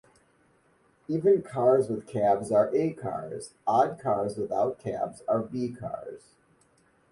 Even cars with cabs are A cars; odd cars without cabs are B cars.